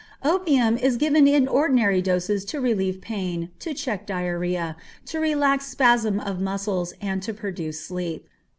Opium, is given in ordinary doses to relieve pain, to check diarrhoea, to relax spasm of muscles, and to produce sleep.